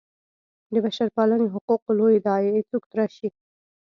د بشرپالنې حقوقو لویې داعیې څوک تراشي.